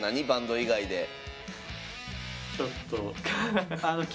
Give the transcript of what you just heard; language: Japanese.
バンド以外で。